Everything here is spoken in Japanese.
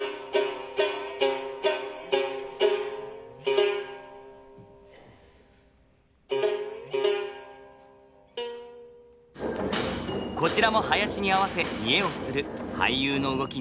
こちらも囃子に合わせ見得をする俳優の動きにご注目。